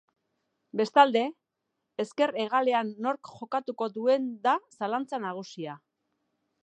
Bestalde, ezker hegalean nork jokatuko duen da zalantza nagusia.